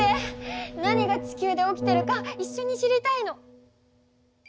何が地球で起きてるかいっしょに知りたいの。